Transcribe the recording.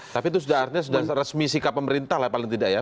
tapi itu sudah artinya sudah resmi sikap pemerintah lah paling tidak ya